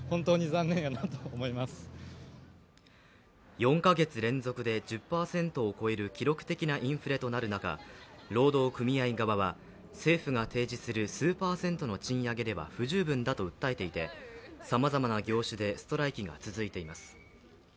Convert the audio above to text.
４か月連続で１０％を超える記録的なインフレとなる中、労働組合側は政府が提示する数パーセントの賃上げでは不十分だと訴えていて、さまざまな業種でストライキが続いています。